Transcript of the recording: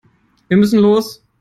Wir müssen los.